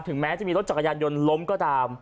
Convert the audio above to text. แม้จะมีรถจักรยานยนต์ล้มก็ตาม